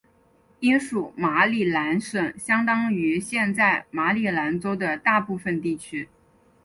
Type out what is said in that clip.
英属马里兰省相当于现在马里兰州的大部分地区。